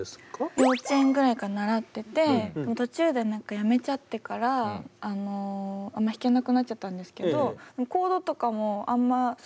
幼稚園ぐらいから習ってて途中で何かやめちゃってからあんま弾けなくなっちゃったんですけど。